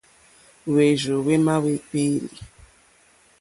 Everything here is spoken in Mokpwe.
Hwérzù hwémá hwékpélí.